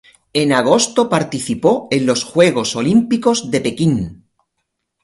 En agosto participó en los Juegos Olímpicos de Pekín.